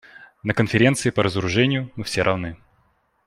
На Конференции по разоружению мы все равны.